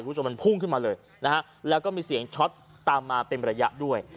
คุณผู้ชมมันพุ่งขึ้นมาเลยนะฮะแล้วก็มีเสียงช็อตตามมาเป็นระยะด้วย